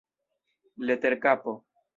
Leterkapo.